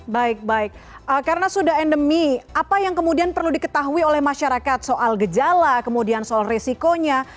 baik baik karena sudah endemi apa yang kemudian perlu diketahui oleh masyarakat soal gejala kemudian soal risikonya